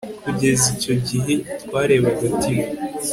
Kugeza icyo gihe twarebaga TV